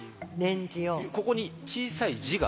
ここに小さい「じ」が。